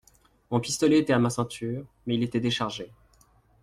Mon pistolet était à ma ceinture, mais il était déchargé.